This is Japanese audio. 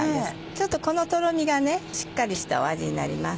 ちょっとこのとろみがしっかりした味になります。